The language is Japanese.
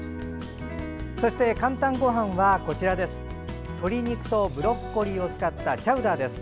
そして「かんたんごはん」は鶏肉とブロッコリーを使ったチャウダーです。